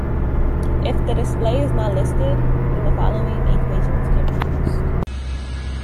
If the display is not listed, then the following equations can be used.